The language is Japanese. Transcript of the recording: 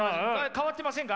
変わってませんか？